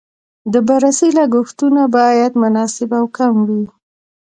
د بررسۍ لګښتونه باید مناسب او کم وي.